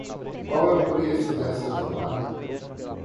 Qual é o preço desta tomada?